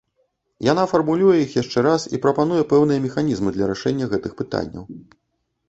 Яна фармулюе іх яшчэ раз і прапануе пэўныя механізмы для рашэння гэтых пытанняў.